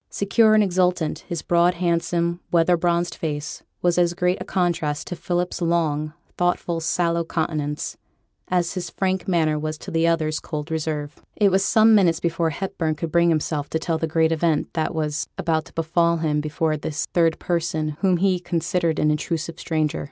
Secure and exultant, his broad, handsome, weather bronzed face was as great a contrast to Philip's long, thoughtful, sallow countenance, as his frank manner was to the other's cold reserve. It was some minutes before Hepburn could bring himself to tell the great event that was about to befall him before this third person whom he considered as an intrusive stranger.